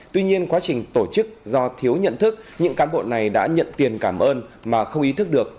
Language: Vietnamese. tuy nhiên quá trình tổ chức do thiếu nhận thức những cán bộ này đã nhận tiền cảm ơn mà không ý thức được